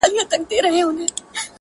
له خلوته مي پر بده لار روان كړل -